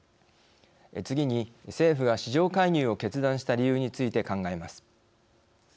次に政府が市場介入を決断した理由について考えます。